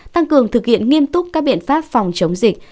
tăng cường thực hiện nghiêm túc các biện pháp phòng chống dịch